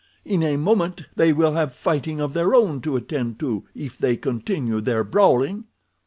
In a moment they will have fighting of their own to attend to if they continue their brawling."